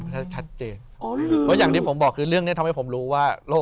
และอย่างดิผมบอกคือเรื่องนี้มาให้ผมรู้ว่า